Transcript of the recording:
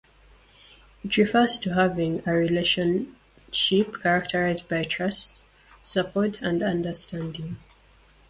It refers to having a relationship characterized by trust, support, and understanding.